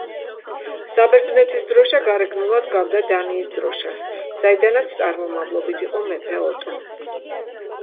საბერძნეთის დროშა გარეგნულად გავდა დანიის დროშას, საიდანაც წარმომავლობით იყო მეფე ოტო.